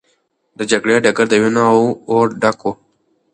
د جګړې ډګر د وینو او اور ډک و.